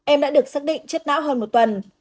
em đã được xác định chết não hơn một tuần